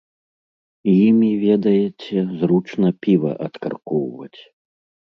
Імі, ведаеце, зручна піва адкаркоўваць.